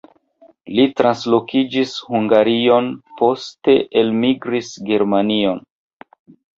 Li translokiĝis Hungarion, poste elmigris Germanion.